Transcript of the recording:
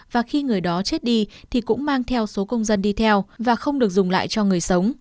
và khi người đó chết đi thì cũng mang theo số công dân đi theo và không được dùng lại cho người sống